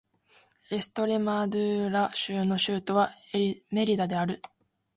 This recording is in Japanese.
エストレマドゥーラ州の州都はメリダである